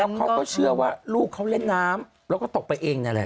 เขาก็เชื่อว่าลูกเขาเล่นน้ำแล้วก็ตกไปเองนั่นแหละ